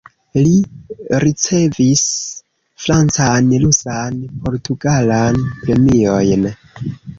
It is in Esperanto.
Li ricevis francan, rusan, portugalan premiojn.